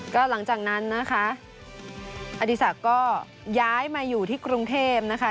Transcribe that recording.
ก็หลังจากนั้นนะคะอดีศักดิ์ก็ย้ายมาอยู่ที่กรุงเทพนะคะ